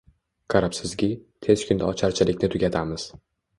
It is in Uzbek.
Qarabsizki, tez kunda ocharchilikni tugatamiz.